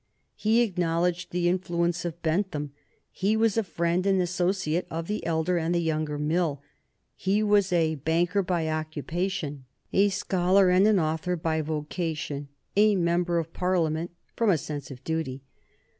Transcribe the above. He acknowledged the influence of Bentham; he was a friend and associate of the elder and the younger Mill; he was a banker by occupation, a scholar and an author by vocation; a member of Parliament from a sense of duty.